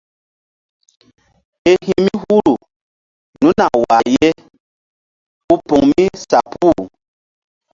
Ke hi̧ mi huru nunu a wah ye ku poŋ mi sa puh.